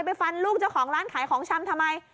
ฟันลูกเจ้าของร้านขายของชำทำไม